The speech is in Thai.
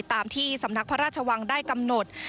ตามที่สำนักพระราชวังได้กำหนด